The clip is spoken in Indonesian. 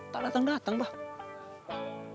tak datang datang pak